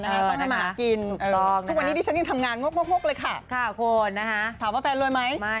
ต้องมากินถึงวันนี้ดิฉันยังทำงานงบเลยค่ะถามว่าแฟนรวยไหมไม่